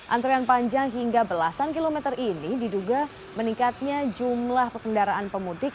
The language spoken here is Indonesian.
antrean panjang hingga belasan kilometer ini diduga meningkatnya jumlah pekendaraan pemudik